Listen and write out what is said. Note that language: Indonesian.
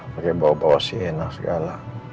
pake bawa bawa sienna segala